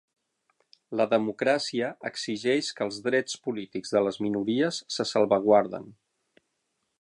La democràcia exigeix que els drets polítics de les minories se salvaguarden.